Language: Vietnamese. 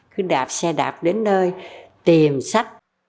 cứ đạp xe đạp đến nơi tìm sách